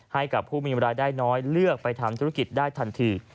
ให้กับผู้มีรายได้น้อยเลือกไปทำธุรกิจได้ทันที